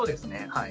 はい。